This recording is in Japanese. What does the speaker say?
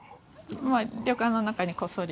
まあ旅館の中にこっそり。